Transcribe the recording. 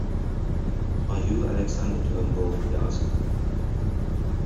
“Are you Alexander Turnbull?” he asked.